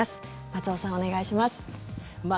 松尾さん、お願いします。